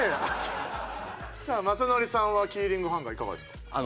さあ雅紀さんはキーリングハンガーいかがですか？